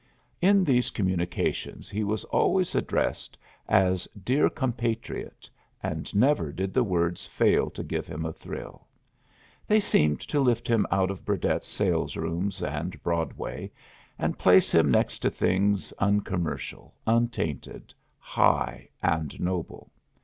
In these communications he was always addressed as "Dear Compatriot," and never did the words fail to give him a thrill. They seemed to lift him out of Burdett's salesrooms and Broadway, and place him next to things uncommercial, untainted, high, and noble.